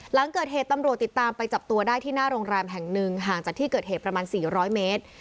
หลังเกิดเหตุตำรวจติดตามไปจับตัวได้ที่หน้าโรงแรมแห่งหนึ่งห่างจากที่เกิดเหตุประมาณ๔๐๐เมตร